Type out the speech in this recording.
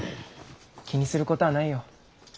気にすることはないよ。